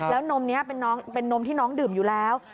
แล้วนมนี้เป็นนมที่น้องดื่มอยู่แล้ว